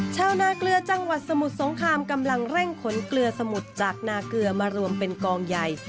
ชาวนาเกลือจังหวัดสมุทรสงครามกำลังเร่งขนเกลือสมุดจากนาเกลือมารวมเป็นกองใหญ่